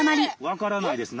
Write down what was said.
分からないです。